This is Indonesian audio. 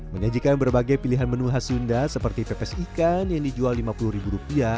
menyajikan berbagai pilihan menu khas sunda seperti pepes ikan yang dijual rp lima puluh